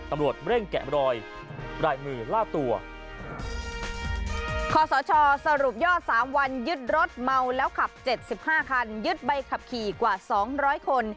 ตำรวจเร่งแกะรอยลายมือล่าตัวคอสชสรุปยอดสามวันยึดรถเมาแล้วขับเจ็ดสิบห้าคันยึดใบขับขี่กว่าสองร้อยคน